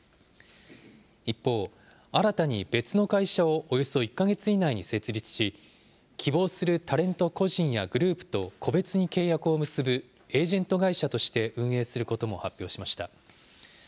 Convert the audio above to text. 一方、新たに別の会社をおよそ１か月以内に設立し、希望するタレント個人やグループと個別に契約を結ぶエージェント会社として運営することも発表しました。